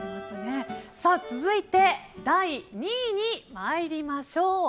続いて、第２位に参りましょう。